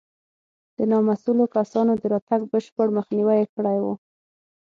د نامسوولو کسانو د راتګ بشپړ مخنیوی یې کړی و.